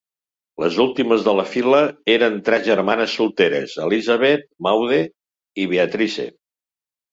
Les últimes de la fila eren tres germanes solteres: Elizabeth, Maude i Beatrice.